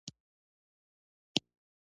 بابا غر په کوم ولایت کې موقعیت لري؟